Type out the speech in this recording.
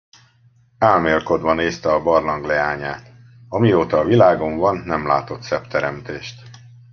Álmélkodva nézte a barlang leányát: amióta a világon van, nem látott szebb teremtést.